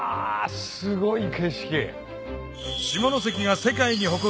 すごい景色。